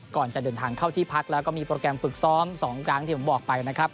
ก่อนจะเดินทางเข้าที่พักแล้วก็มีโปรแกรมฝึกซ้อม๒ครั้งที่ผมบอกไปนะครับ